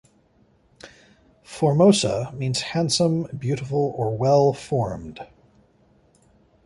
"Formosa" means 'handsome', 'beautiful', or 'well-formed'.